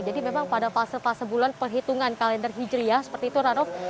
jadi memang pada fase fase bulan perhitungan kalender hijri ya seperti itu heranov